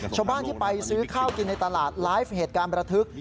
ชาวบ้านที่ไปซื้อข้าวกินในตลาดไลฟ์เหตุการณ์ประทึก